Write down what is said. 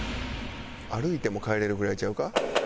歩いても帰れるぐらいちゃうか？